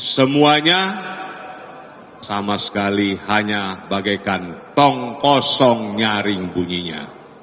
semuanya sama sekali hanya bagaikan tong kosong nyaring bunyinya